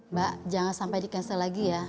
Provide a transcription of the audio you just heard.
mbak jangan sampai di cancel lagi ya